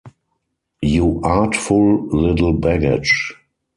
You artful little baggage!